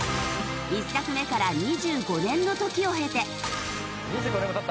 １作目から２５年の時を経て。